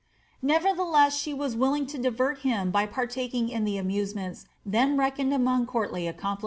* Nevertheless she was willing to divert him by partaking in the amusements then reckoned among courtly accomplishments.